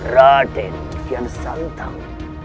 raden kian santang